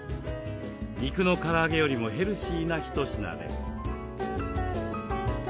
肉のから揚げよりもヘルシーな一品です。